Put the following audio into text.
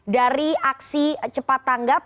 dari aksi cepat tanggap